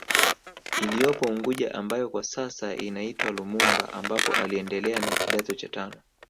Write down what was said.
Iliyopo unguja ambayo kwa sasa inaitwa Lumumba ambapo aliendelea na kidato cha tano